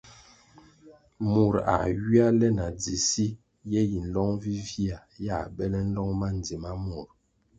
Mur a ywia le na dzi si, ye yi nlong vivihya yā bele nlong ma ndzima mur.